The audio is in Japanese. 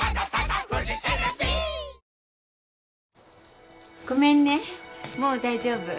苦しい？ごめんねもう大丈夫。